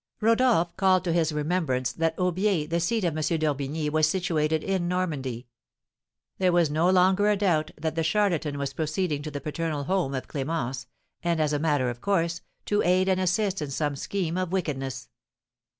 Rodolph called to his remembrance that Aubiers, the seat of M. d'Orbigny, was situated in Normandy. There was no longer a doubt that the charlatan was proceeding to the paternal home of Clémence, and, as a matter of course, to aid and assist in some scheme of wickedness.